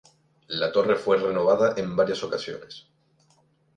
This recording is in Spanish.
La torre fue renovada en varias ocasiones.